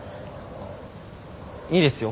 いいですよ